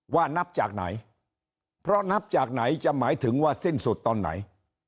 นับจากไหนเพราะนับจากไหนจะหมายถึงว่าสิ้นสุดตอนไหน